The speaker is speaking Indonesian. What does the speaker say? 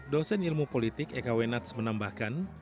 dosen ilmu politik ekw nats menambahkan